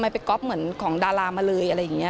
มันไปก๊อฟเหมือนของดารามาเลยอะไรอย่างนี้